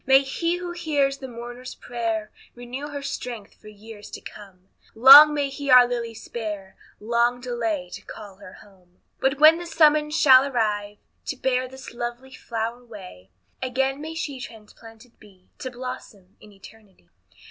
May he who hears the mourner's prayer, Renew her strength for years to come; Long may He our Lilly spare, Long delay to call her home. But when the summons shall arrive To bear this lovely flower away, Again may she transplanted be To blossom in eternity.